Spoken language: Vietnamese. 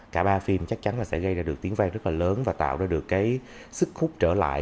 cả ba phim chắc chắn là sẽ gây ra được tiếng vang rất là lớn và tạo ra được cái sức hút trở lại